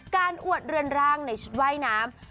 อวดเรือนร่างในชุดว่ายน้ำ